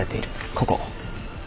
ここ。